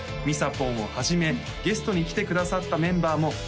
「みさぽんをはじめゲストに来てくださったメンバーも」